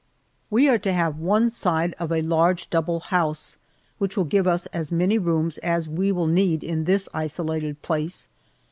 We are to have one side of a large double house, which will give us as many rooms as we will need in this isolated place.